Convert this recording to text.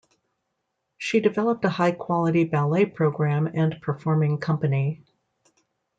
She developed a high quality ballet program and performing company.